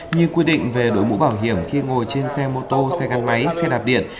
như quy định về đổi mũ bảo hiểm khi ngồi trên xe mô tô xe gắn máy xe đạp điện